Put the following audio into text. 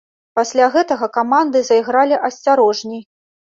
Пасля гэтага каманды зайгралі асцярожней.